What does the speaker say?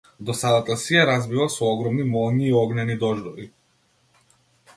Досадата си ја разбива со огромни молњи и огнени дождови.